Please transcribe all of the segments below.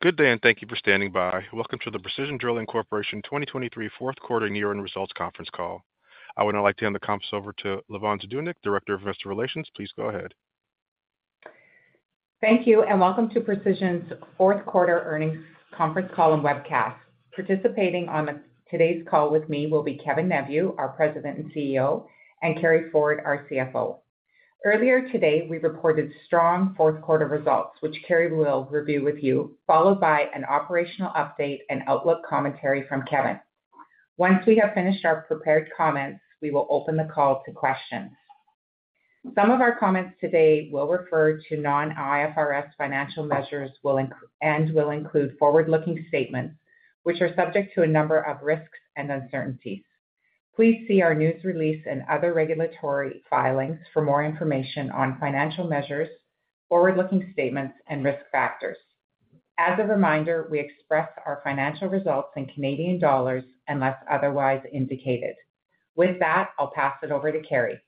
Good day, and thank you for standing by. Welcome to the Precision Drilling Corporation 2023 fourth quarter and year-end results conference call. I would now like to hand the conference over to Lavonne Zdunich, Director of Investor Relations. Please go ahead. Thank you, and welcome to Precision's fourth quarter earnings conference call and webcast. Participating on today's call with me will be Kevin Neveu, our President and CEO, and Carey Ford, our CFO. Earlier today, we reported strong fourth quarter results, which Carey will review with you, followed by an operational update and outlook commentary from Kevin. Once we have finished our prepared comments, we will open the call to questions. Some of our comments today will refer to non-IFRS financial measures and will include forward-looking statements, which are subject to a number of risks and uncertainties. Please see our news release and other regulatory filings for more information on financial measures, forward-looking statements, and risk factors. As a reminder, we express our financial results in Canadian dollars unless otherwise indicated. With that, I'll pass it over to Carey.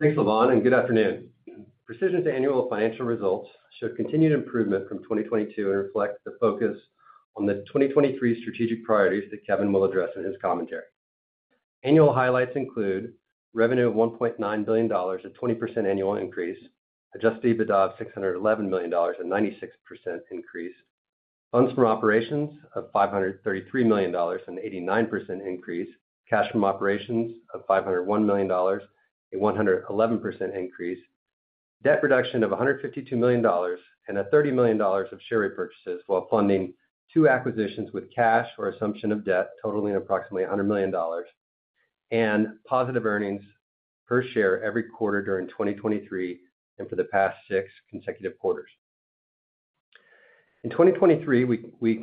Thanks, Lavonne, and good afternoon. Precision's annual financial results show continued improvement from 2022 and reflect the focus on the 2023 strategic priorities that Kevin will address in his commentary. Annual highlights include revenue of 1.9 billion dollars, a 20% annual increase. Adjusted EBITDA of 611 million dollars, a 96% increase. Funds from operations of 533 million dollars, an 89% increase. Cash from operations of 501 million dollars, a 111% increase. Debt reduction of 152 million dollars, and 30 million dollars of share repurchases while funding two acquisitions with cash or assumption of debt totaling approximately 100 million dollars, and positive earnings per share every quarter during 2023 and for the past six consecutive quarters. In 2023, we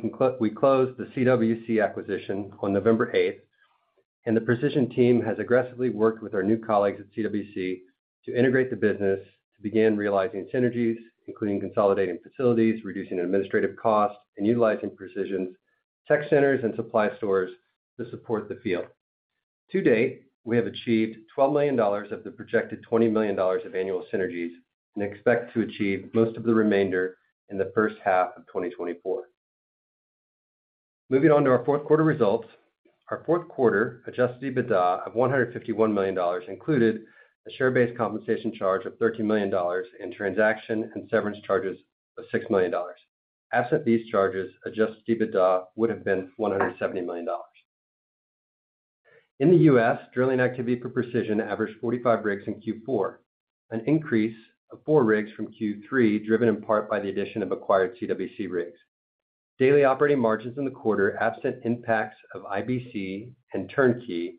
closed the CWC acquisition on November 8, and the Precision team has aggressively worked with our new colleagues at CWC to integrate the business to begin realizing synergies, including consolidating facilities, reducing administrative costs, and utilizing Precision's tech centers and supply stores to support the field. To date, we have achieved $12 million of the projected $20 million of annual synergies and expect to achieve most of the remainder in the first half of 2024. Moving on to our fourth quarter results. Our fourth quarter adjusted EBITDA of $151 million included a share-based compensation charge of $13 million and transaction and severance charges of $6 million. Absent these charges, adjusted EBITDA would have been $170 million. In the U.S., drilling activity per Precision averaged 45 rigs in Q4, an increase of four rigs from Q3, driven in part by the addition of acquired CWC rigs. Daily operating margins in the quarter, absent impacts of IBC and turnkey,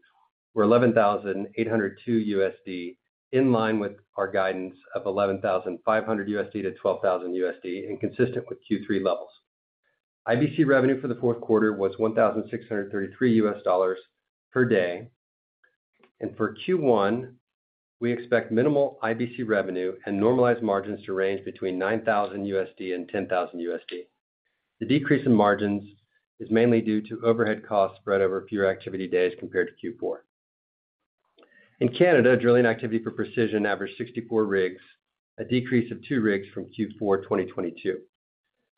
were $11,802, in line with our guidance of $11,500-$12,000 and consistent with Q3 levels. IBC revenue for the fourth quarter was $1,633 per day, and for Q1, we expect minimal IBC revenue and normalized margins to range between $9,000 and $10,000. The decrease in margins is mainly due to overhead costs spread over fewer activity days compared to Q4. In Canada, drilling activity for Precision averaged 64 rigs, a decrease of two rigs from Q4 2022.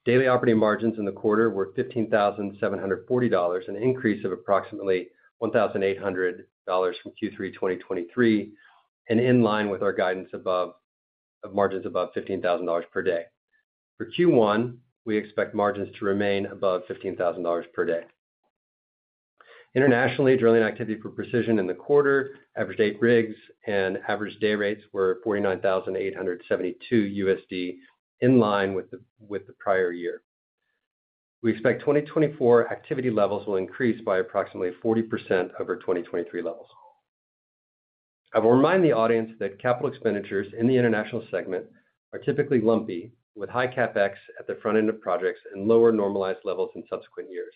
Daily operating margins in the quarter were 15,740 dollars, an increase of approximately 1,800 dollars from Q3 2023 and in line with our guidance above of margins above 15,000 dollars per day. For Q1, we expect margins to remain above 15,000 dollars per day. Internationally, drilling activity for Precision in the quarter averaged eight rigs and average day rates were $49,872, in line with the prior year. We expect 2024 activity levels will increase by approximately 40% over 2023 levels. I will remind the audience that capital expenditures in the international segment are typically lumpy, with high CapEx at the front end of projects and lower normalized levels in subsequent years.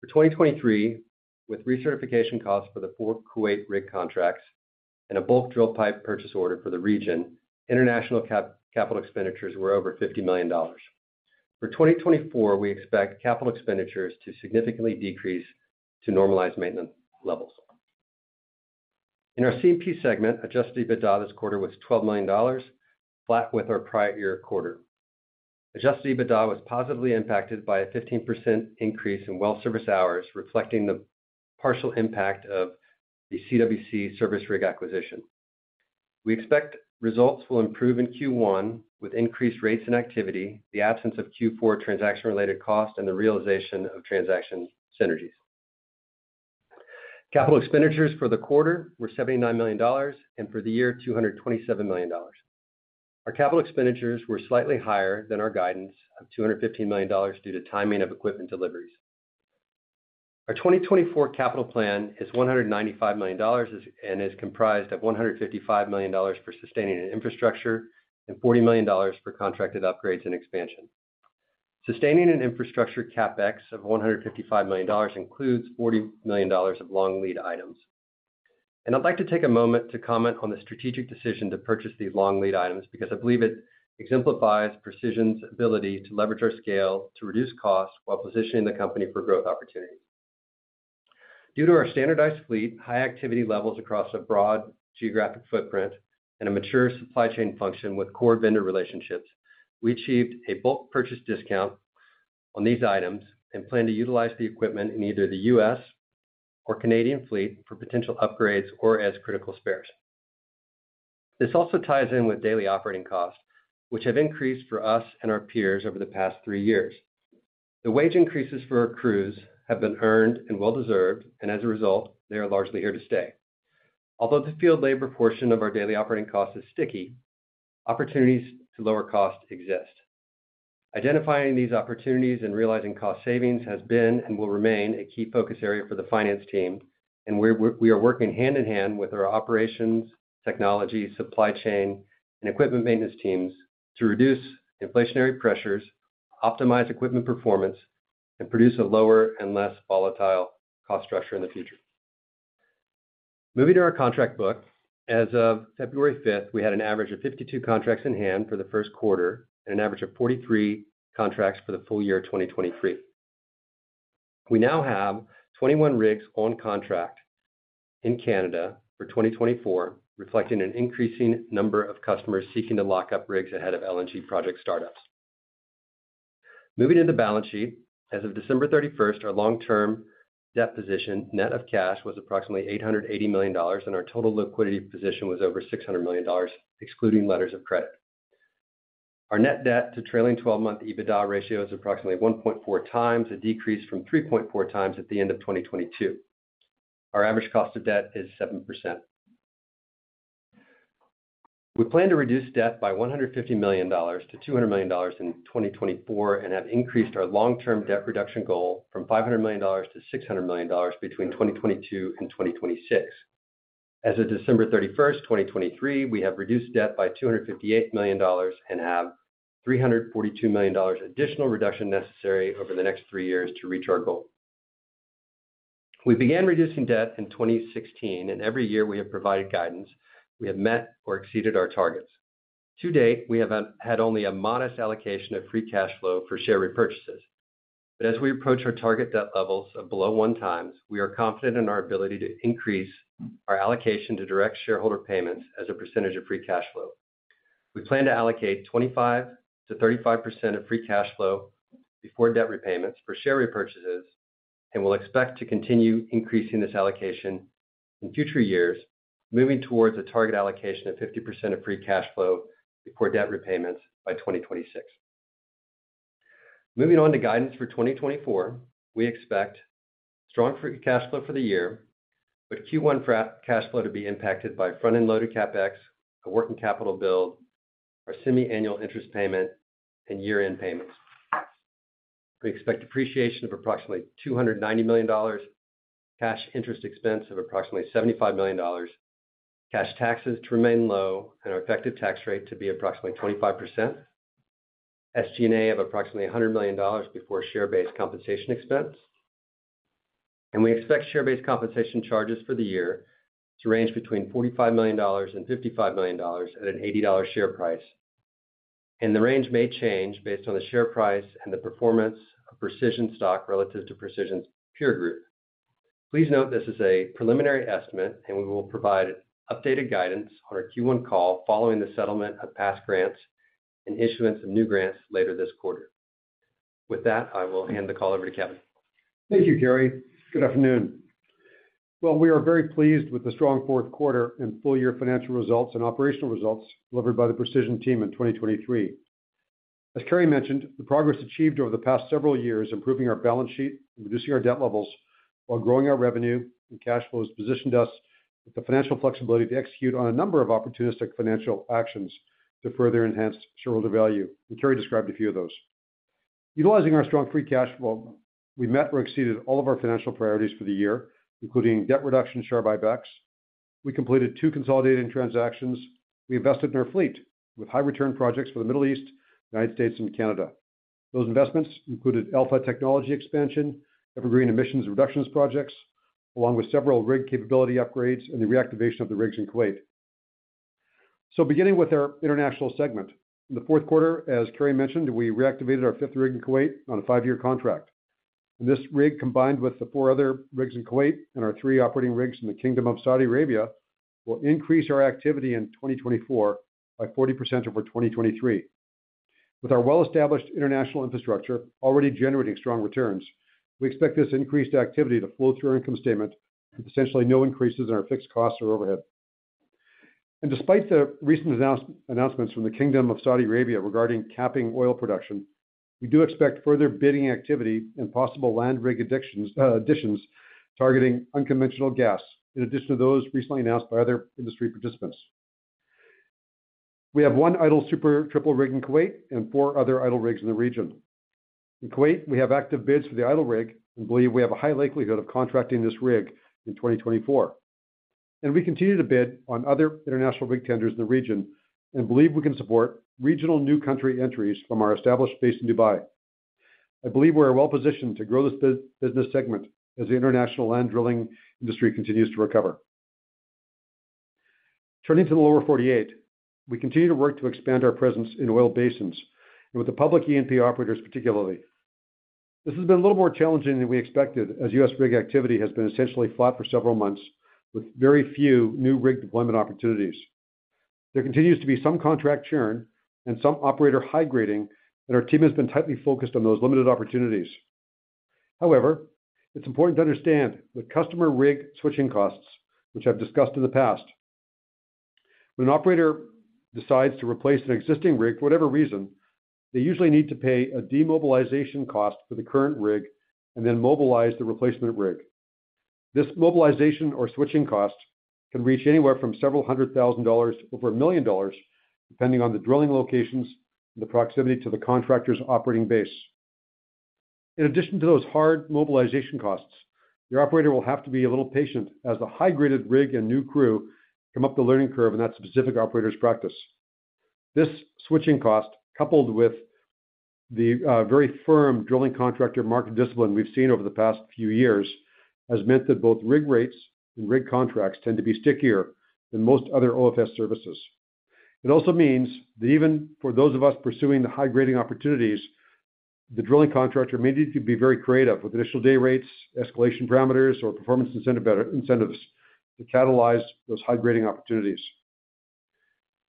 For 2023, with recertification costs for the 4 Kuwait rig contracts and a bulk drill pipe purchase order for the region, international CapEx were over $50 million. For 2024, we expect capital expenditures to significantly decrease to normalized maintenance levels. In our C&P segment, adjusted EBITDA this quarter was $12 million, flat with our prior year quarter. Adjusted EBITDA was positively impacted by a 15% increase in well service hours, reflecting the partial impact of the CWC service rig acquisition. We expect results will improve in Q1 with increased rates and activity, the absence of Q4 transaction-related costs, and the realization of transaction synergies. Capital expenditures for the quarter were $79 million, and for the year, $227 million. Our capital expenditures were slightly higher than our guidance of $215 million due to timing of equipment deliveries. Our 2024 capital plan is $195 million and is comprised of $155 million for sustaining and infrastructure and $40 million for contracted upgrades and expansion. Sustaining and infrastructure CapEx of $155 million includes $40 million of long lead items. And I'd like to take a moment to comment on the strategic decision to purchase these long lead items because I believe it exemplifies Precision's ability to leverage our scale to reduce costs while positioning the company for growth opportunities... Due to our standardized fleet, high activity levels across a broad geographic footprint, and a mature supply chain function with core vendor relationships, we achieved a bulk purchase discount on these items and plan to utilize the equipment in either the U.S. or Canadian fleet for potential upgrades or as critical spares. This also ties in with daily operating costs, which have increased for us and our peers over the past three years. The wage increases for our crews have been earned and well-deserved, and as a result, they are largely here to stay. Although the field labor portion of our daily operating cost is sticky, opportunities to lower costs exist. Identifying these opportunities and realizing cost savings has been and will remain a key focus area for the finance team, and we are working hand in hand with our operations, technology, supply chain, and equipment maintenance teams to reduce inflationary pressures, optimize equipment performance, and produce a lower and less volatile cost structure in the future. Moving to our contract book, as of February fifth, we had an average of 52 contracts in hand for the first quarter and an average of 43 contracts for the full year, 2023. We now have 21 rigs on contract in Canada for 2024, reflecting an increasing number of customers seeking to lock up rigs ahead of LNG project startups. Moving to the balance sheet, as of December 31st, our long-term debt position, net of cash, was approximately $880 million, and our total liquidity position was over $600 million, excluding letters of credit. Our net debt to trailing twelve-month EBITDA ratio is approximately 1.4 times, a decrease from 3.4 times at the end of 2022. Our average cost of debt is 7%. We plan to reduce debt by $150 million-$200 million in 2024 and have increased our long-term debt reduction goal from $500 million to $600 million between 2022 and 2026. As of December 31, 2023, we have reduced debt by $258 million and have $342 million additional reduction necessary over the next three years to reach our goal. We began reducing debt in 2016, and every year we have provided guidance, we have met or exceeded our targets. To date, we have had only a modest allocation of free cash flow for share repurchases. But as we approach our target debt levels of below 1x, we are confident in our ability to increase our allocation to direct shareholder payments as a percentage of free cash flow. We plan to allocate 25%-35% of free cash flow before debt repayments for share repurchases, and we'll expect to continue increasing this allocation in future years, moving towards a target allocation of 50% of free cash flow before debt repayments by 2026. Moving on to guidance for 2024, we expect strong free cash flow for the year, but Q1 cash flow to be impacted by front-end loaded CapEx, a working capital build, our semi-annual interest payment, and year-end payments. We expect depreciation of approximately $290 million, cash interest expense of approximately $75 million, cash taxes to remain low, and our effective tax rate to be approximately 25%, SG&A of approximately $100 million before share-based compensation expense. We expect share-based compensation charges for the year to range between $45 million and $55 million at an $80 share price, and the range may change based on the share price and the performance of Precision stock relative to Precision's peer group. Please note, this is a preliminary estimate, and we will provide updated guidance on our Q1 call following the settlement of past grants and issuance of new grants later this quarter. With that, I will hand the call over to Kevin. Thank you, Carey. Good afternoon. Well, we are very pleased with the strong fourth quarter and full-year financial results and operational results delivered by the Precision team in 2023. As Carey mentioned, the progress achieved over the past several years, improving our balance sheet and reducing our debt levels while growing our revenue and cash flow, has positioned us with the financial flexibility to execute on a number of opportunistic financial actions to further enhance shareholder value, and Carey described a few of those. Utilizing our strong free cash flow, we met or exceeded all of our financial priorities for the year, including debt reduction, share buybacks. We completed two consolidated transactions. We invested in our fleet with high return projects for the Middle East, United States and Canada. Those investments included Alpha technology expansion, Evergreen emissions reductions projects, along with several rig capability upgrades and the reactivation of the rigs in Kuwait. So beginning with our international segment, in the fourth quarter, as Carey mentioned, we reactivated our fifth rig in Kuwait on a five-year contract. This rig, combined with the four other rigs in Kuwait and our three operating rigs in the Kingdom of Saudi Arabia, will increase our activity in 2024 by 40% over 2023. With our well-established international infrastructure already generating strong returns, we expect this increased activity to flow through our income statement with essentially no increases in our fixed costs or overhead. Despite the recent announcements from the Kingdom of Saudi Arabia regarding capping oil production, we do expect further bidding activity and possible land rig additions targeting unconventional gas, in addition to those recently announced by other industry participants. We have one idle Super Triple rig in Kuwait and four other idle rigs in the region. In Kuwait, we have active bids for the idle rig and believe we have a high likelihood of contracting this rig in 2024. We continue to bid on other international rig tenders in the region and believe we can support regional new country entries from our established base in Dubai. I believe we are well positioned to grow this business segment as the international land drilling industry continues to recover... Turning to the Lower 48, we continue to work to expand our presence in oil basins and with the public E&P operators, particularly. This has been a little more challenging than we expected, as U.S. rig activity has been essentially flat for several months, with very few new rig deployment opportunities. There continues to be some contract churn and some operator high grading, and our team has been tightly focused on those limited opportunities. However, it's important to understand the customer rig switching costs, which I've discussed in the past. When an operator decides to replace an existing rig for whatever reason, they usually need to pay a demobilization cost for the current rig and then mobilize the replacement rig. This mobilization or switching cost can reach anywhere from $several hundred thousand over $1 million, depending on the drilling locations and the proximity to the contractor's operating base. In addition to those hard mobilization costs, the operator will have to be a little patient as the high-graded rig and new crew come up the learning curve in that specific operator's practice. This switching cost, coupled with the very firm drilling contractor market discipline we've seen over the past few years, has meant that both rig rates and rig contracts tend to be stickier than most other OFS services. It also means that even for those of us pursuing the high grading opportunities, the drilling contractor may need to be very creative with initial day rates, escalation parameters, or performance incentive, incentives to catalyze those high grading opportunities.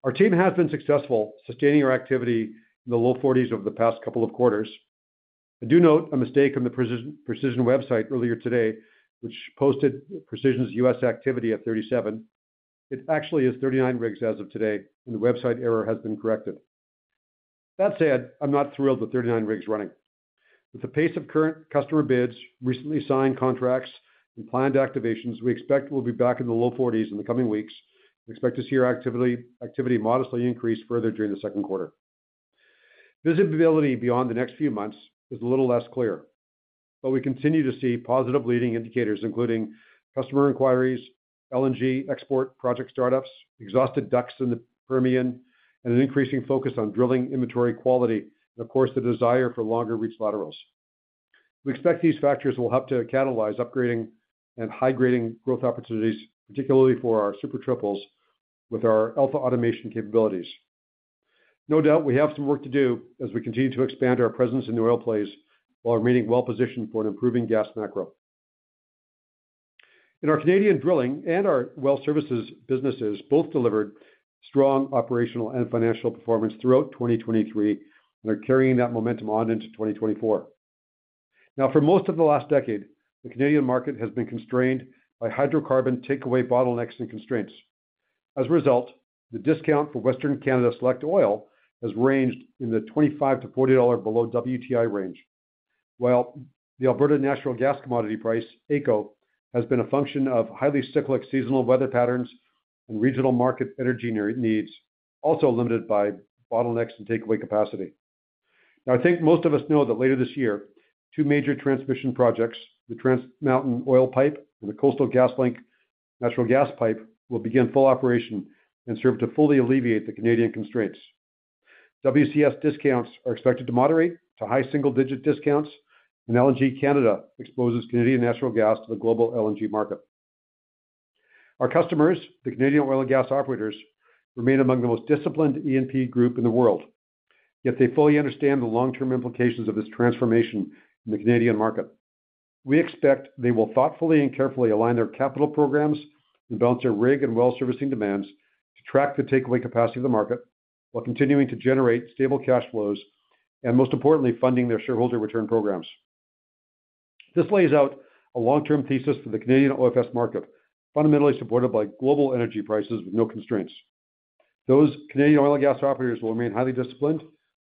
Our team has been successful sustaining our activity in the low 40s over the past couple of quarters. I do note a mistake on the Precision website earlier today, which posted Precision's U.S. activity at 37. It actually is 39 rigs as of today, and the website error has been corrected. That said, I'm not thrilled with 39 rigs running. With the pace of current customer bids, recently signed contracts, and planned activations, we expect we'll be back in the low 40s in the coming weeks and expect to see our activity modestly increase further during the second quarter. Visibility beyond the next few months is a little less clear, but we continue to see positive leading indicators, including customer inquiries, LNG export, project startups, exhausted DUCs in the Permian, and an increasing focus on drilling inventory quality, and of course, the desire for longer reach laterals. We expect these factors will help to catalyze upgrading and high grading growth opportunities, particularly for our Super Triples, with our AlphaAutomation capabilities. No doubt we have some work to do as we continue to expand our presence in the oil plays, while remaining well-positioned for an improving gas macro. In our Canadian drilling and our well services, businesses both delivered strong operational and financial performance throughout 2023, and are carrying that momentum on into 2024. Now, for most of the last decade, the Canadian market has been constrained by hydrocarbon takeaway bottlenecks and constraints. As a result, the discount for Western Canadian Select oil has ranged in the $25-$40 below WTI range, while the Alberta Natural Gas commodity price, AECO, has been a function of highly cyclic seasonal weather patterns and regional market energy needs, also limited by bottlenecks and takeaway capacity. Now, I think most of us know that later this year, two major transmission projects, the Trans Mountain oil pipeline and the Coastal GasLink natural gas pipeline, will begin full operation and serve to fully alleviate the Canadian constraints. WCS discounts are expected to moderate to high single-digit discounts, and LNG Canada exposes Canadian natural gas to the global LNG market. Our customers, the Canadian oil and gas operators, remain among the most disciplined E&P group in the world, yet they fully understand the long-term implications of this transformation in the Canadian market. We expect they will thoughtfully and carefully align their capital programs and balance their rig and well servicing demands to track the takeaway capacity of the market, while continuing to generate stable cash flows and, most importantly, funding their shareholder return programs. This lays out a long-term thesis for the Canadian OFS market, fundamentally supported by global energy prices with no constraints. Those Canadian oil and gas operators will remain highly disciplined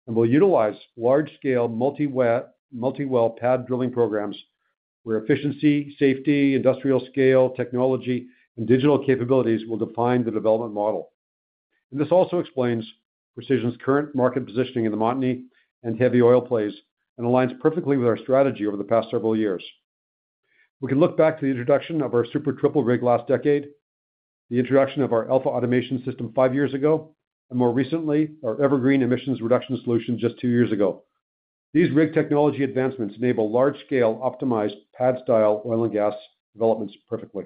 and will utilize large-scale, multi-well, multi-well pad drilling programs, where efficiency, safety, industrial scale, technology, and digital capabilities will define the development model. This also explains Precision's current market positioning in the Montney and heavy oil plays, and aligns perfectly with our strategy over the past several years. We can look back to the introduction of our Super Triple rig last decade, the introduction of our AlphaAutomation system 5 years ago, and more recently, our Evergreen emissions reduction solution just 2 years ago. These rig technology advancements enable large-scale, optimized pad-style oil and gas developments perfectly.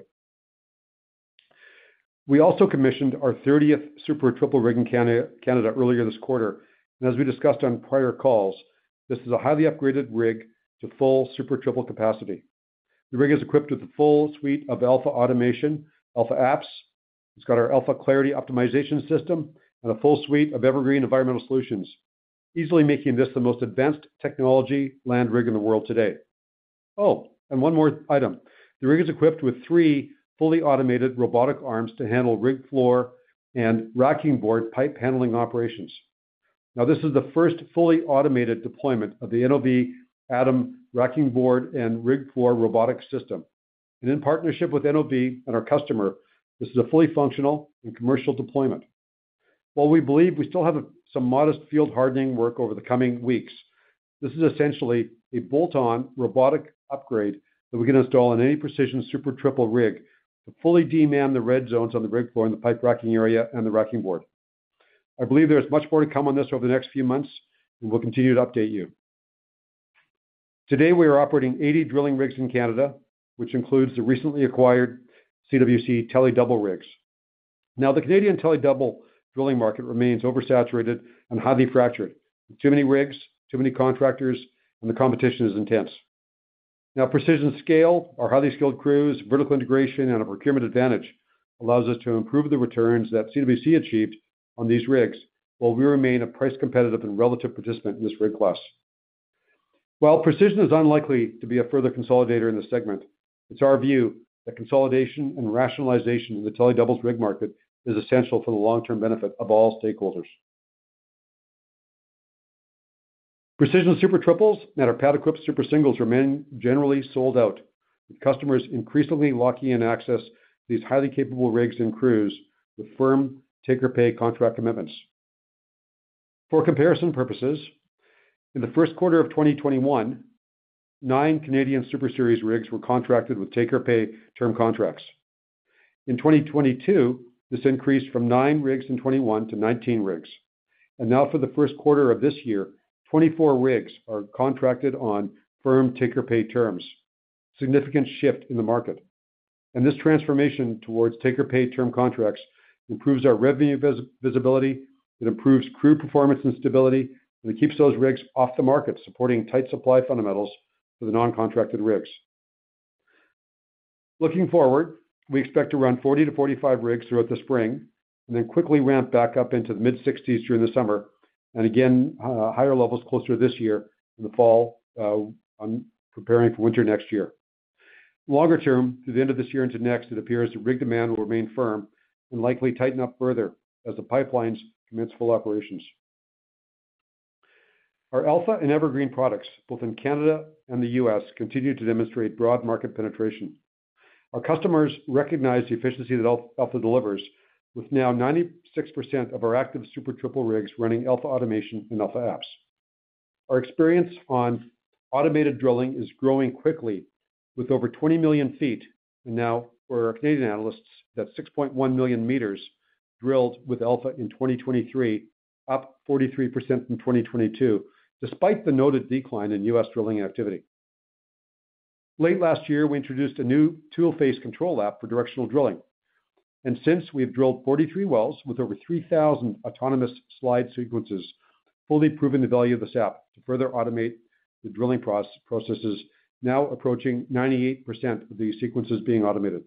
We also commissioned our 30th Super Triple rig in Canada earlier this quarter, and as we discussed on prior calls, this is a highly upgraded rig to full Super Triple capacity. The rig is equipped with a full suite of AlphaAutomation, AlphaApps. It's got our AlphaClarity optimization system and a full suite of Evergreen environmental solutions, easily making this the most advanced technology land rig in the world today. Oh, and one more item. The rig is equipped with 3 fully automated robotic arms to handle rig floor and racking board pipe handling operations. Now, this is the first fully automated deployment of the NOV ATOM racking board and rig floor robotic system. In partnership with NOV and our customer, this is a fully functional and commercial deployment. While we believe we still have some modest field hardening work over the coming weeks, this is essentially a bolt-on robotic upgrade that we can install on any Precision Super Triple rig to fully demand the red zones on the rig floor and the pipe racking area and the racking board. I believe there is much more to come on this over the next few months, and we'll continue to update you. Today, we are operating 80 drilling rigs in Canada, which includes the recently acquired CWC TeleDouble rigs. Now, the Canadian TeleDouble drilling market remains oversaturated and highly fractured. Too many rigs, too many contractors, and the competition is intense. Now, Precision's scale, our highly skilled crews, vertical integration, and our procurement advantage allows us to improve the returns that CWC achieved on these rigs, while we remain a price-competitive and relative participant in this rig class. While Precision is unlikely to be a further consolidator in this segment, it's our view that consolidation and rationalization in the TeleDoubles rig market is essential to the long-term benefit of all stakeholders. Precision Super Triples and our pad-equipped Super Singles remain generally sold out, with customers increasingly locking in access to these highly capable rigs and crews with firm take-or-pay contract commitments. For comparison purposes, in the first quarter of 2021, nine Canadian Super Series rigs were contracted with take-or-pay term contracts. In 2022, this increased from nine rigs in 2021 to 19 rigs, and now for the first quarter of this year, 24 rigs are contracted on firm take-or-pay terms. Significant shift in the market, and this transformation towards take-or-pay term contracts improves our revenue visibility, it improves crew performance and stability, and it keeps those rigs off the market, supporting tight supply fundamentals for the non-contracted rigs. Looking forward, we expect to run 40-45 rigs throughout the spring and then quickly ramp back up into the mid-60s during the summer, and again, higher levels closer to this year in the fall, on preparing for winter next year. Longer term, through the end of this year into next, it appears that rig demand will remain firm and likely tighten up further as the pipelines commence full operations. Our Alpha and Evergreen products, both in Canada and the U.S., continue to demonstrate broad market penetration. Our customers recognize the efficiency that Alpha delivers, with now 96% of our active Super Triple rigs running AlphaAutomation and AlphaApps. Our experience on automated drilling is growing quickly, with over 20 million feet, and now for our Canadian analysts, that's 6.1 million meters drilled with Alpha in 2023, up 43% from 2022, despite the noted decline in U.S. drilling activity. Late last year, we introduced a new toolface control app for directional drilling, and since, we have drilled 43 wells with over 3,000 autonomous slide sequences, fully proving the value of this app to further automate the drilling processes, now approaching 98% of these sequences being automated.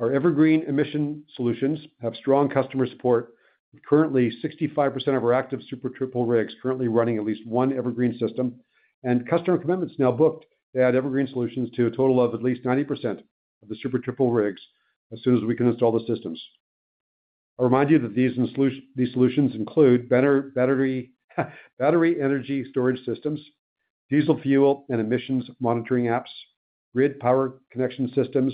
Our Evergreen emission solutions have strong customer support, with currently 65% of our active Super Triple rigs currently running at least one Evergreen system, and customer commitments now booked to add Evergreen solutions to a total of at least 90% of the Super Triple rigs as soon as we can install the systems. I'll remind you that these solutions, these solutions include BESS, battery energy storage systems, diesel fuel and emissions monitoring apps, grid power connection systems,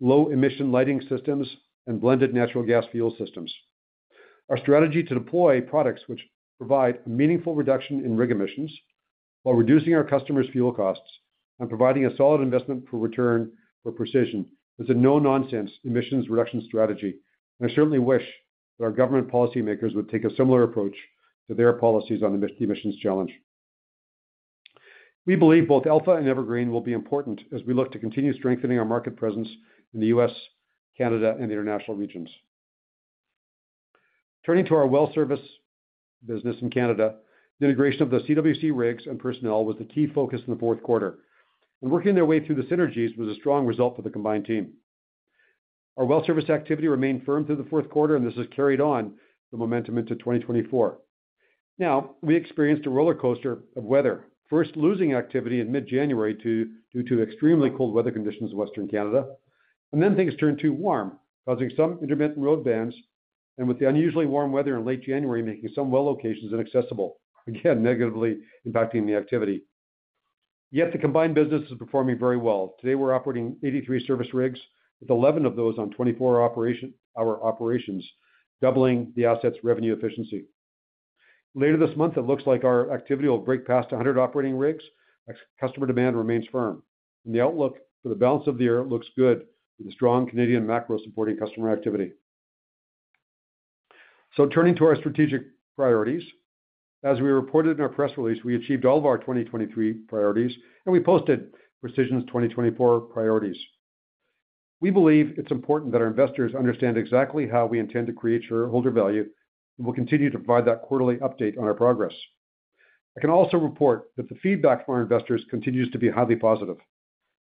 low-emission lighting systems, and blended natural gas fuel systems. Our strategy to deploy products which provide a meaningful reduction in rig emissions while reducing our customers' fuel costs and providing a solid investment for return for Precision, is a no-nonsense emissions reduction strategy. I certainly wish that our government policymakers would take a similar approach to their policies on the emissions challenge. We believe both Alpha and Evergreen will be important as we look to continue strengthening our market presence in the U.S., Canada, and the international regions. Turning to our well service business in Canada, the integration of the CWC rigs and personnel was a key focus in the fourth quarter, and working their way through the synergies was a strong result for the combined team. Our well service activity remained firm through the fourth quarter, and this has carried on the momentum into 2024. Now, we experienced a rollercoaster of weather, first losing activity in mid-January due to extremely cold weather conditions in Western Canada, and then things turned too warm, causing some intermittent road bans, and with the unusually warm weather in late January, making some well locations inaccessible, again, negatively impacting the activity. Yet the combined business is performing very well. Today, we're operating 83 service rigs, with 11 of those on 24-hour operations, doubling the assets' revenue efficiency. Later this month, it looks like our activity will break past 100 operating rigs, as customer demand remains firm, and the outlook for the balance of the year looks good, with a strong Canadian macro supporting customer activity. So turning to our strategic priorities, as we reported in our press release, we achieved all of our 2023 priorities, and we posted Precision's 2024 priorities. We believe it's important that our investors understand exactly how we intend to create shareholder value, and we'll continue to provide that quarterly update on our progress. I can also report that the feedback from our investors continues to be highly positive.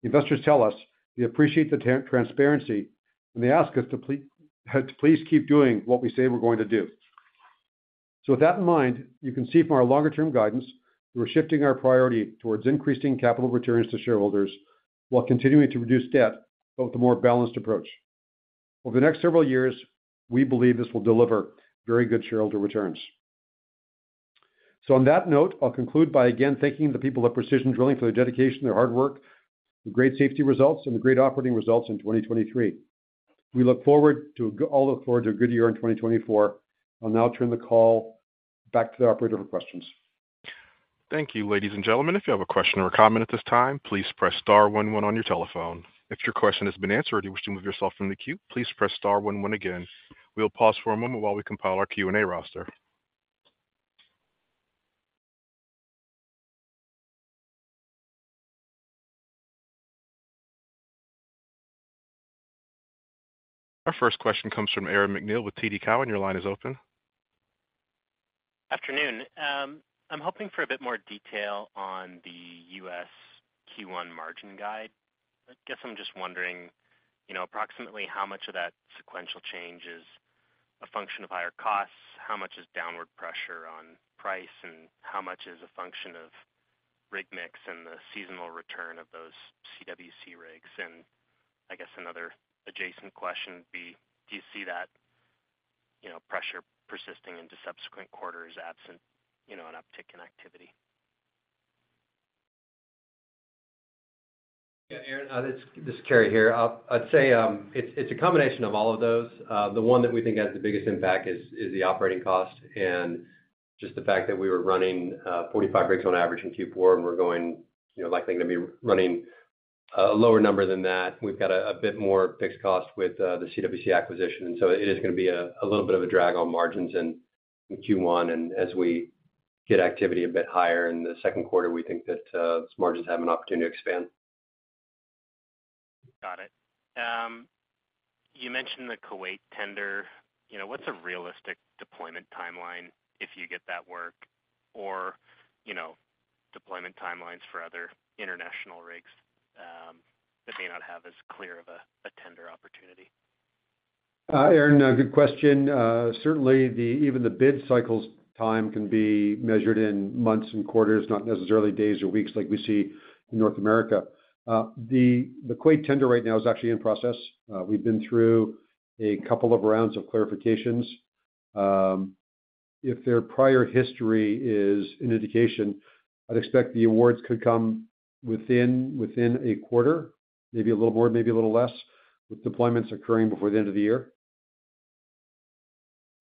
Investors tell us they appreciate the transparency, and they ask us to please keep doing what we say we're going to do. So with that in mind, you can see from our longer-term guidance, we're shifting our priority towards increasing capital returns to shareholders while continuing to reduce debt, but with a more balanced approach. Over the next several years, we believe this will deliver very good shareholder returns. So on that note, I'll conclude by again thanking the people at Precision Drilling for their dedication, their hard work, the great safety results, and the great operating results in 2023. We look forward to a good—all look forward to a good year in 2024. I'll now turn the call back to the operator for questions. Thank you, ladies and gentlemen. If you have a question or comment at this time, please press star one one on your telephone. If your question has been answered and you wish to remove yourself from the queue, please press star one one again.... We'll pause for a moment while we compile our Q&A roster. Our first question comes from Aaron MacNeil with TD Cowen. Your line is open. Afternoon. I'm hoping for a bit more detail on the US Q1 margin guide. I guess I'm just wondering, you know, approximately how much of that sequential change is a function of higher costs? How much is downward pressure on price, and how much is a function of rig mix and the seasonal return of those CWC rigs? And I guess another adjacent question would be: Do you see that, you know, pressure persisting into subsequent quarters, absent, you know, an uptick in activity? Yeah, Aaron, this is Carey here. I'd say it's a combination of all of those. The one that we think has the biggest impact is the operating cost, and just the fact that we were running 45 rigs on average in Q4, and we're going, you know, likely gonna be running a lower number than that. We've got a bit more fixed cost with the CWC acquisition, and so it is gonna be a little bit of a drag on margins in Q1. And as we get activity a bit higher in the second quarter, we think that those margins have an opportunity to expand. Got it. You mentioned the Kuwait tender. You know, what's a realistic deployment timeline if you get that work? Or, you know, deployment timelines for other international rigs, that may not have as clear of a tender opportunity? Aaron, good question. Certainly, even the bid cycles time can be measured in months and quarters, not necessarily days or weeks like we see in North America. The Kuwait tender right now is actually in process. We've been through a couple of rounds of clarifications. If their prior history is an indication, I'd expect the awards could come within a quarter, maybe a little more, maybe a little less, with deployments occurring before the end of the year.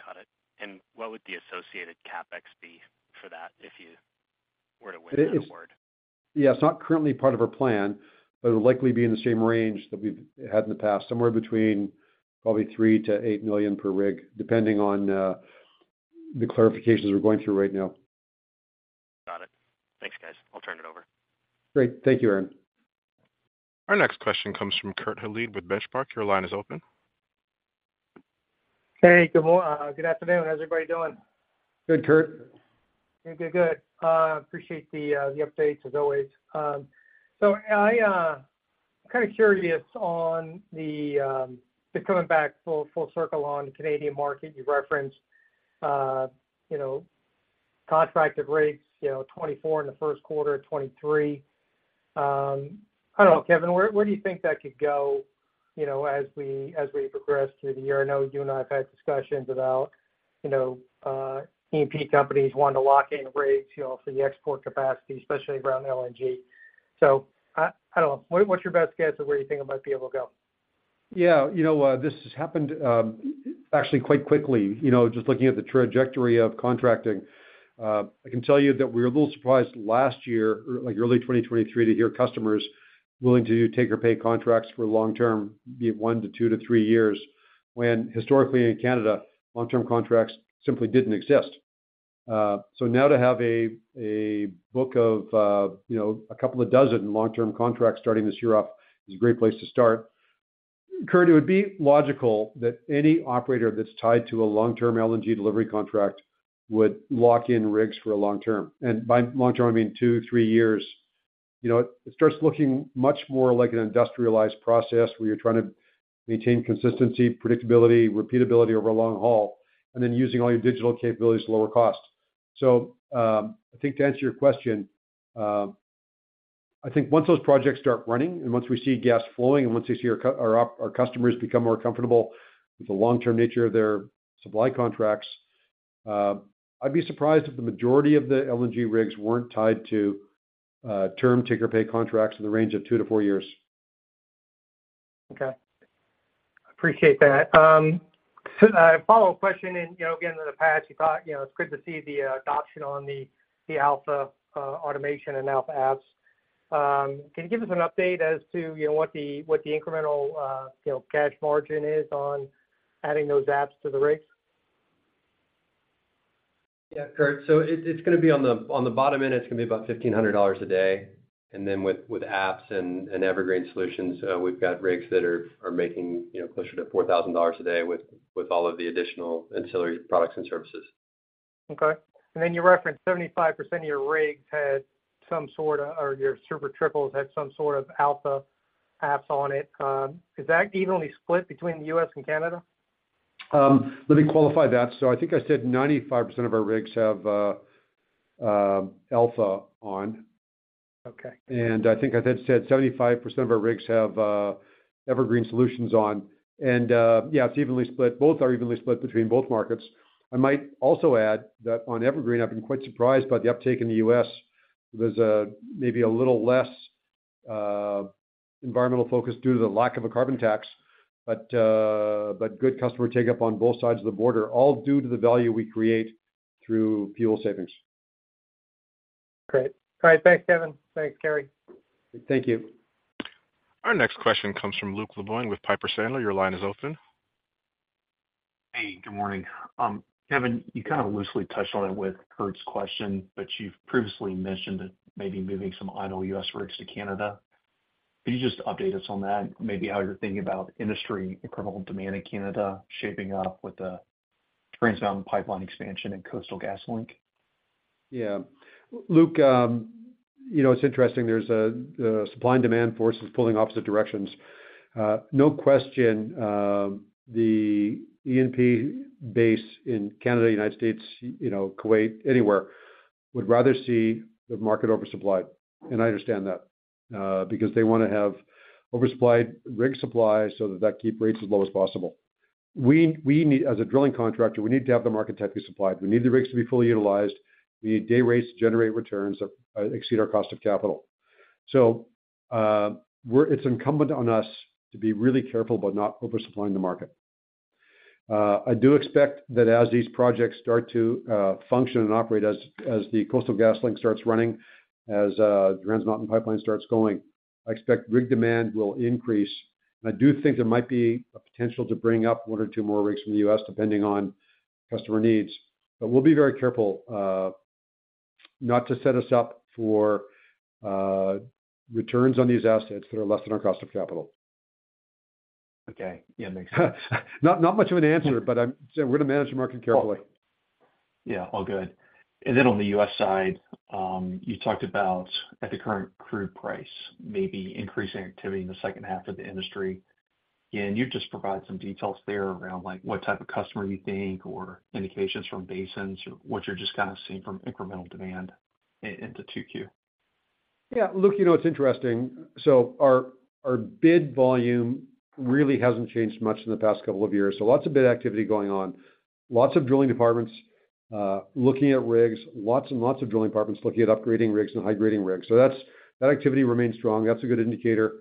Got it. And what would the associated CapEx be for that, if you were to win an award? Yeah, it's not currently part of our plan, but it'll likely be in the same range that we've had in the past. Somewhere between probably $3 million-$8 million per rig, depending on the clarifications we're going through right now. Got it. Thanks, guys. I'll turn it over. Great. Thank you, Aaron. Our next question comes from Kurt Hallead with Benchmark. Your line is open. Hey, good afternoon. How's everybody doing? Good, Kurt. Okay, good. Appreciate the, the updates as always. So I, I'm kind of curious on the, the coming back full circle on the Canadian market. You referenced, you know, contracted rigs, you know, 24 in the first quarter, 23. I don't know, Kevin, where do you think that could go, you know, as we progress through the year? I know you and I have had discussions about, you know, E&P companies wanting to lock in rates, you know, for the export capacity, especially around LNG. So I don't know. What's your best guess of where you think it might be able to go? Yeah, you know what? This has happened, actually quite quickly. You know, just looking at the trajectory of contracting, I can tell you that we were a little surprised last year, like early 2023, to hear customers willing to take or pay contracts for long term, be it 1 to 2 to 3 years, when historically in Canada, long-term contracts simply didn't exist. So now to have a book of, you know, a couple of dozen long-term contracts starting this year off is a great place to start. Kurt, it would be logical that any operator that's tied to a long-term LNG delivery contract would lock in rigs for a long term. And by long term, I mean 2, 3 years. You know, it starts looking much more like an industrialized process, where you're trying to maintain consistency, predictability, repeatability over a long haul, and then using all your digital capabilities to lower costs. So, I think to answer your question, I think once those projects start running and once we see gas flowing, and once we see our customers become more comfortable with the long-term nature of their supply contracts, I'd be surprised if the majority of the LNG rigs weren't tied to term take or pay contracts in the range of 2-4 years. Okay. Appreciate that. A follow-up question, and, you know, again, in the past, you thought, you know, it's good to see the adoption on the AlphaAutomation and AlphaApps. Can you give us an update as to, you know, what the incremental cash margin is on adding those apps to the rigs? Yeah, Kurt. So it, it's gonna be on the, on the bottom end, it's gonna be about $1,500 a day. And then with, with apps and, and Evergreen solutions, we've got rigs that are, are making, you know, closer to $4,000 a day with, with all of the additional ancillary products and services. Okay. And then you referenced 75% of your rigs had some sort of, or your Super Triples had some sort of AlphaApps on it. Is that evenly split between the U.S. and Canada? Let me qualify that. I think I said 95% of our rigs have Alpha on. Okay. And I think I then said 75% of our rigs have Evergreen solutions on. And, yeah, it's evenly split. Both are evenly split between both markets. I might also add that on Evergreen, I've been quite surprised by the uptake in the U.S. There's maybe a little less environmental focus due to the lack of a carbon tax, but good customer take up on both sides of the border, all due to the value we create through fuel savings.... Great. All right, thanks, Kevin. Thanks, Carey. Thank you. Our next question comes from Luke Lavoie with Piper Sandler. Your line is open. Hey, good morning. Kevin, you kind of loosely touched on it with Kurt's question, but you've previously mentioned that maybe moving some idle U.S. rigs to Canada. Could you just update us on that, maybe how you're thinking about industry, incremental demand in Canada shaping up with the Trans Mountain pipeline expansion and Coastal GasLink? Yeah. Luke, you know, it's interesting. There's a supply and demand forces pulling opposite directions. No question, the E&P base in Canada, United States, you know, Kuwait, anywhere, would rather see the market oversupplied, and I understand that. Because they wanna have oversupplied rig supply so that that keep rates as low as possible. We, we need, as a drilling contractor, we need to have the market tightly supplied. We need the rigs to be fully utilized. We need day rates to generate returns that exceed our cost of capital. So, we're-- it's incumbent on us to be really careful about not oversupplied the market. I do expect that as these projects start to function and operate, as the Coastal GasLink starts running, as the Trans Mountain Pipeline starts going, I expect rig demand will increase. I do think there might be a potential to bring up one or two more rigs from the U.S., depending on customer needs. But we'll be very careful not to set us up for returns on these assets that are less than our cost of capital. Okay. Yeah, makes sense. Not much of an answer, but I'm saying we're gonna manage the market carefully. Yeah, all good. And then on the U.S. side, you talked about at the current crude price, maybe increasing activity in the second half of the industry. Can you just provide some details there around, like, what type of customer you think or indications from basins, or what you're just kind of seeing from incremental demand into 2Q? Yeah. Luke, you know, it's interesting. So our bid volume really hasn't changed much in the past couple of years, so lots of bid activity going on. Lots of drilling departments looking at rigs. Lots and lots of drilling departments looking at upgrading rigs and high-grading rigs. So that activity remains strong. That's a good indicator.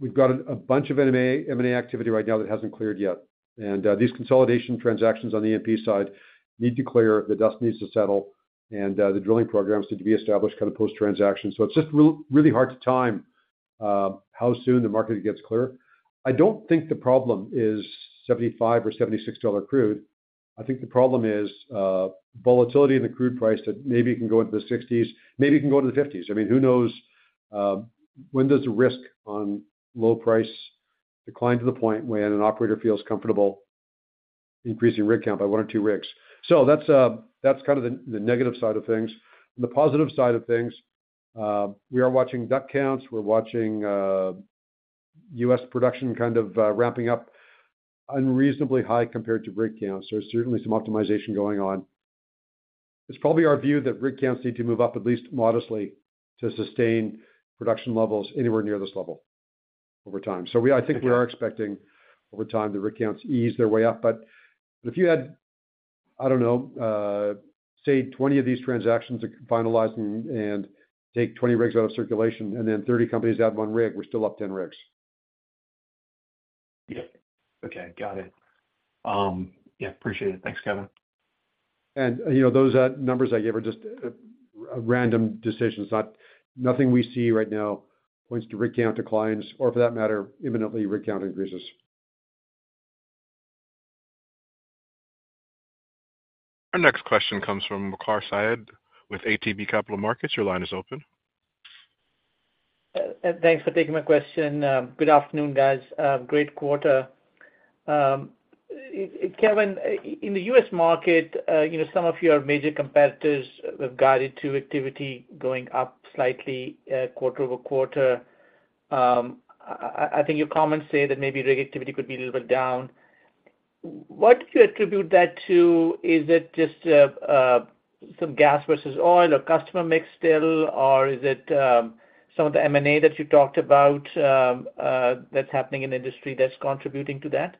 We've got a bunch of M&A activity right now that hasn't cleared yet, and these consolidation transactions on the E&P side need to clear, the dust needs to settle, and the drilling programs need to be established kind of post-transaction. So it's just really hard to time how soon the market gets clear. I don't think the problem is $75 or $76 crude. I think the problem is, volatility in the crude price, that maybe it can go into the 60s, maybe it can go to the 50s. I mean, who knows, when does the risk on low price decline to the point when an operator feels comfortable increasing rig count by one or two rigs? So that's, that's kind of the, the negative side of things. The positive side of things, we are watching DUC counts, we're watching, U.S. production kind of, ramping up unreasonably high compared to rig counts. There's certainly some optimization going on. It's probably our view that rig counts need to move up at least modestly to sustain production levels anywhere near this level over time. So we, I think we are expecting over time, the rig counts ease their way up. But if you had, I don't know, say, 20 of these transactions finalized and take 20 rigs out of circulation, and then 30 companies add one rig, we're still up 10 rigs. Yeah. Okay, got it. Yeah, appreciate it. Thanks, Kevin. You know, those numbers I gave are just a random decisions, not... Nothing we see right now points to rig count declines, or for that matter, imminently rig count increases. Our next question comes from Waqar Syed with ATB Capital Markets. Your line is open. Thanks for taking my question. Good afternoon, guys. Great quarter. I, Kevin, in the U.S. market, you know, some of your major competitors have guided to activity going up slightly, quarter-over-quarter. I think your comments say that maybe rig activity could be a little bit down. What do you attribute that to? Is it just some gas versus oil or customer mix still, or is it some of the M&A that you talked about that's happening in the industry that's contributing to that?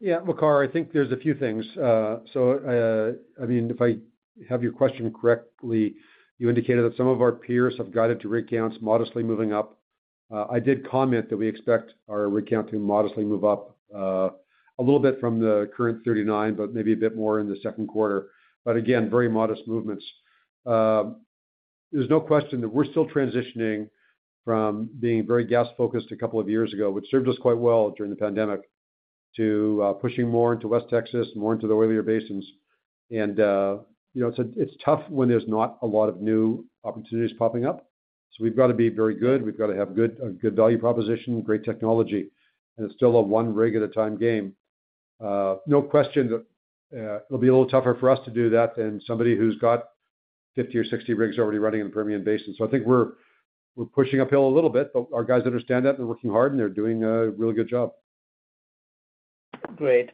Yeah, Waqar, I think there's a few things. So, I mean, if I have your question correctly, you indicated that some of our peers have guided to rig counts modestly moving up. I did comment that we expect our rig count to modestly move up, a little bit from the current 39, but maybe a bit more in the second quarter. But again, very modest movements. There's no question that we're still transitioning from being very gas-focused a couple of years ago, which served us quite well during the pandemic, to, pushing more into West Texas, more into the oilier basins. And, you know, it's, it's tough when there's not a lot of new opportunities popping up. So we've got to be very good. We've got to have good, a good value proposition, great technology, and it's still a one-rig-at-a-time game. No question that it'll be a little tougher for us to do that than somebody who's got 50 or 60 rigs already running in the Permian Basin. So I think we're pushing uphill a little bit, but our guys understand that, they're working hard, and they're doing a really good job. Great.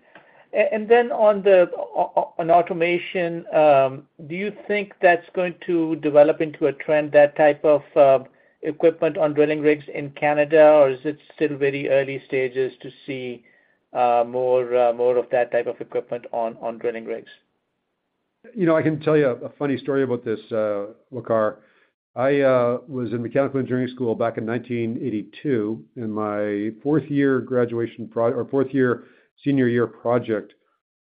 And then on automation, do you think that's going to develop into a trend, that type of equipment on drilling rigs in Canada? Or is it still very early stages to see more, more of that type of equipment on drilling rigs? You know, I can tell you a funny story about this, Waqar. I was in mechanical engineering school back in 1982, and my fourth-year graduation pro- or fourth-year senior year project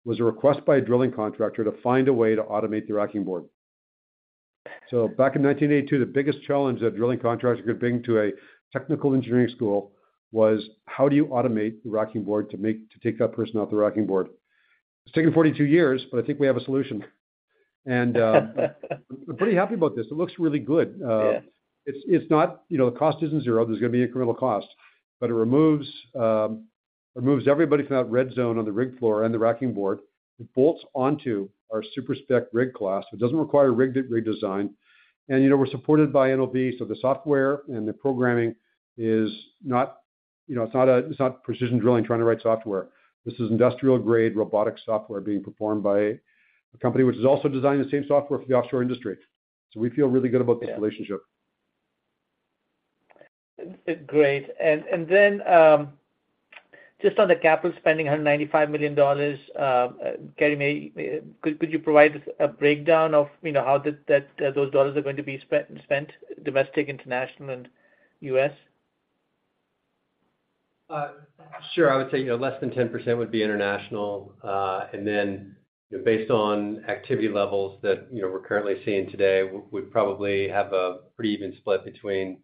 was a request by a drilling contractor to find a way to automate the racking board. So back in 1982, the biggest challenge that drilling contractors could bring to a technical engineering school was: How do you automate the racking board to make, to take that person off the racking board? It's taken 42 years, but I think we have a solution. I'm pretty happy about this. It looks really good. Yeah. It's not, you know, the cost isn't zero. There's gonna be incremental costs, but it removes everybody from that red zone on the rig floor and the racking board. It bolts onto our super spec rig class. It doesn't require a rig redesign. And, you know, we're supported by NOV, so the software and the programming is not, you know, it's not Precision Drilling, trying to write software. This is industrial-grade robotic software being performed by a company which has also designed the same software for the offshore industry. So we feel really good about this relationship. Great. And then, just on the capital spending, 195 million dollars, Carey, maybe, could you provide us a breakdown of, you know, how those dollars are going to be spent, domestic, international, and US? Sure. I would say, you know, less than 10% would be international. And then, based on activity levels that, you know, we're currently seeing today, we'd probably have a pretty even split between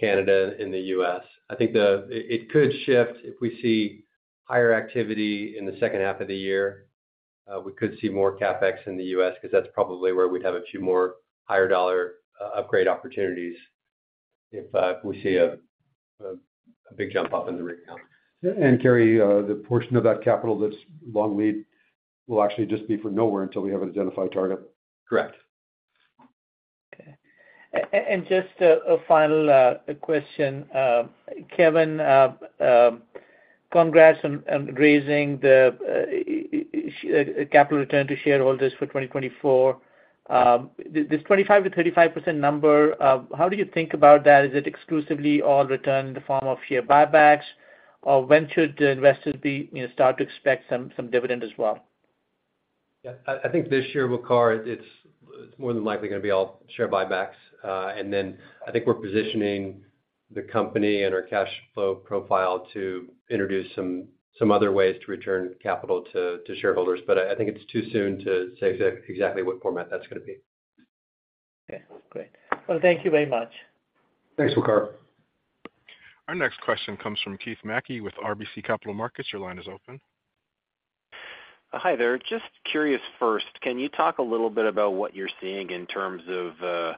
Canada and the U.S. I think it could shift if we see higher activity in the second half of the year. We could see more CapEx in the U.S. because that's probably where we'd have a few more higher dollar upgrade opportunities if we see a big jump up in the rig count. Gary, the portion of that capital that's long lead will actually just be for nowhere until we have an identified target. Correct. Okay. And just a final question. Kevin, congrats on raising the capital return to shareholders for 2024. This 25%-35% number, how do you think about that? Is it exclusively all returned in the form of share buybacks? Or when should the investors be, you know, start to expect some dividend as well? Yeah. I think this year, Waqar, it's more than likely gonna be all share buybacks. And then I think we're positioning the company and our cash flow profile to introduce some other ways to return capital to shareholders, but I think it's too soon to say exactly what format that's gonna be. Okay, great. Well, thank you very much. Thanks, Waqar. Our next question comes from Keith Mackey with RBC Capital Markets. Your line is open. Hi there. Just curious, first, can you talk a little bit about what you're seeing in terms of, you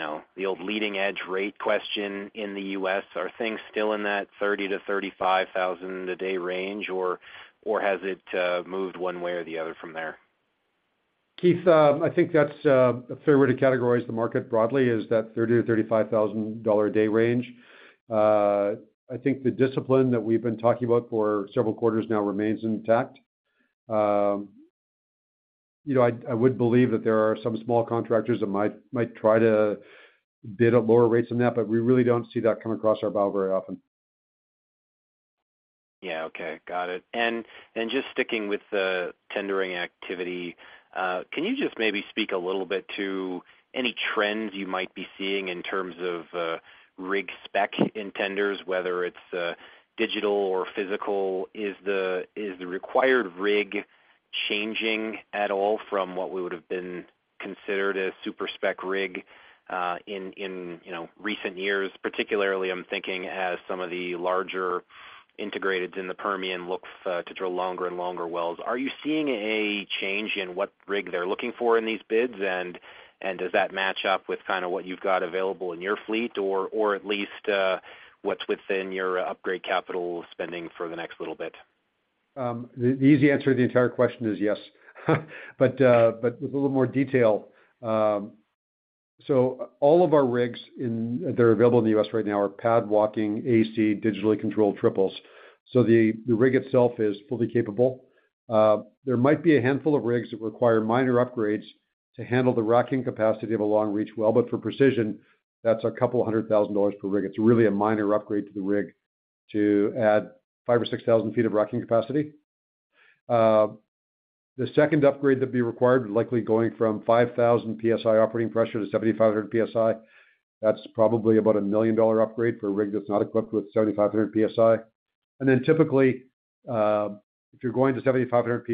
know, the old leading-edge rate question in the U.S.? Are things still in that 30-35,000 a day range, or has it moved one way or the other from there? Keith, I think that's a fair way to categorize the market broadly, is that $30,000-$35,000 a day range. I think the discipline that we've been talking about for several quarters now remains intact. You know, I would believe that there are some small contractors that might try to bid at lower rates than that, but we really don't see that come across our bow very often. Yeah, okay. Got it. And just sticking with the tendering activity, can you just maybe speak a little bit to any trends you might be seeing in terms of rig spec in tenders, whether it's digital or physical? Is the required rig changing at all from what we would have been considered a super spec rig, in you know, recent years? Particularly, I'm thinking as some of the larger integrated in the Permian looks to drill longer and longer wells. Are you seeing a change in what rig they're looking for in these bids? And does that match up with kind of what you've got available in your fleet or at least what's within your upgrade capital spending for the next little bit? The easy answer to the entire question is yes. But with a little more detail. So all of our rigs that are available in the U.S. right now are pad walking, AC, digitally controlled triples. So the rig itself is fully capable. There might be a handful of rigs that require minor upgrades to handle the racking capacity of a long reach well, but for Precision, that's $200,000 per rig. It's really a minor upgrade to the rig to add 5,000 or 6,000 feet of racking capacity. The second upgrade that'd be required, likely going from 5,000 psi operating pressure to 7,500 psi. That's probably about a $1 million upgrade for a rig that's not equipped with 7,500 psi. Then typically, if you're going to 7,500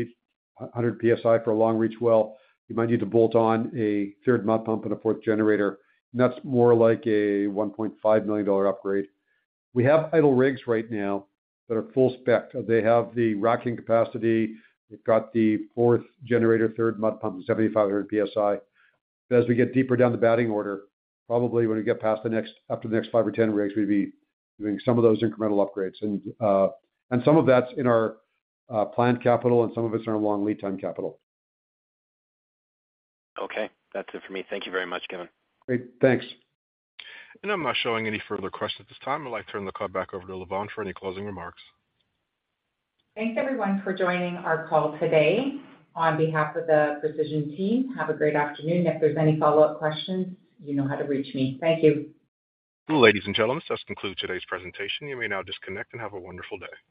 psi for a long reach well, you might need to bolt on a third mud pump and a fourth generator, and that's more like a $1.5 million upgrade. We have idle rigs right now that are full spec. They have the racking capacity, they've got the fourth generator, third mud pump, 7,500 psi. But as we get deeper down the batting order, probably when we get past the next, after the next 5 or 10 rigs, we'd be doing some of those incremental upgrades. And some of that's in our planned capital and some of it's in our long lead time capital. Okay. That's it for me. Thank you very much, Kevin. Great. Thanks. I'm not showing any further questions at this time. I'd like to turn the call back over to Lavonne for any closing remarks. Thanks, everyone, for joining our call today. On behalf of the Precision team, have a great afternoon. If there's any follow-up questions, you know how to reach me. Thank you. Ladies and gentlemen, this concludes today's presentation. You may now disconnect and have a wonderful day.